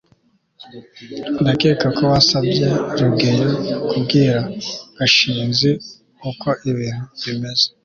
ndakeka ko wasabye rugeyo kubwira gashinzi uko ibintu bimeze